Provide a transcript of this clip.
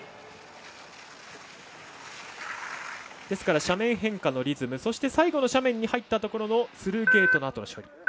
ですから、斜面変化のリズムそして、最後の斜面に入ったところのスルーゲートのあとの処理